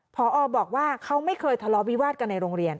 พอบอกว่าเขาไม่เคยทะเลาะวิวาดกันในโรงเรียน